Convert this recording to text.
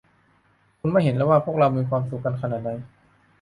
คุณไม่เห็นหรอว่าพวกเรามีความสุขกันขนาดไหน